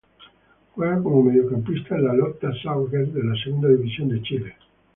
Juega como Mediocampista en el Lota Schwager de la Segunda División de Chile.